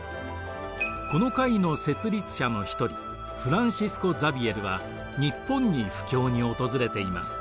この会の設立者の一人フランシスコ・ザビエルは日本に布教に訪れています。